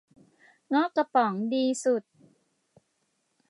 เงาะกระป๋องดีสุด